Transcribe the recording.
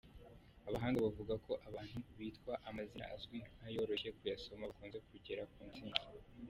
Abahanga bavuga ko abantu bitwa amazina azwi kandi yoroshye kuyasoma, bakunze kugera ku ntsinzi.